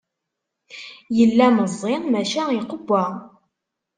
Yella meẓẓi maca iqewwa.